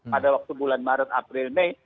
pada waktu bulan maret april mei